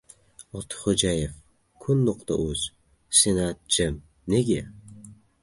«Ortiqxo‘jayev & «Kun.uz». Senat jim. Nega?